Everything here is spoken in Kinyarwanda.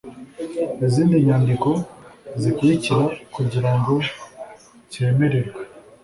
Izindi nyandiko zikurikira kugirango cyemererwe